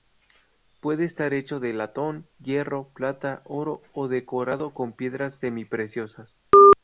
Puede estar hecho de latón, hierro, plata, oro o decorado con piedras semipreciosas.